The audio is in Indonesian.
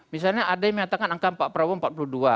misalnya ada yang mengatakan angka pak prabowo